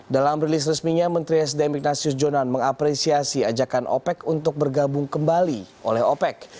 dalam rilis resminya menteri sdm ignatius jonan mengapresiasi ajakan opec untuk bergabung kembali oleh opec